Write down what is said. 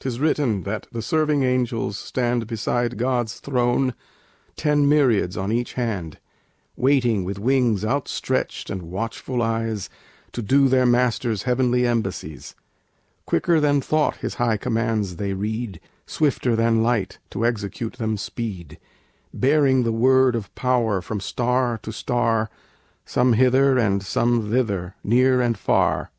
'Tis written that the serving angels stand Beside God's throne, ten myriads on each hand, Waiting, with wings outstretched and watchful eyes, To do their Master's heavenly embassies. Quicker than thought His high commands they read, Swifter than light to execute them speed; Bearing the word of power from star to star, Some hither and some thither, near and far.